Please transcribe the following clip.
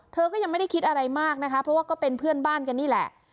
เธอก็ยังไม่ได้คิดอะไรมากนะคะเพราะว่าก็เป็นเพื่อนบ้านกันนี่แหละ